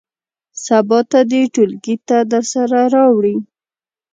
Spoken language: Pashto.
سبا ته دې ټولګي ته درسره راوړي.